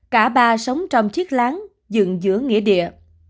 cả ba sống trong chiếc láng dựng giữa nghĩa địa